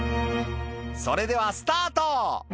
「それではスタート！」